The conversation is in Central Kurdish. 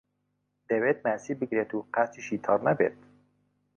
دەیەوێت ماسی بگرێت و قاچیشی تەڕ نەبێت.